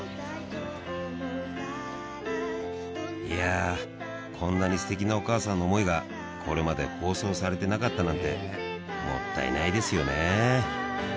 いやこんなにステキなお母さんの思いがこれまで放送されてなかったなんてもったいないですよね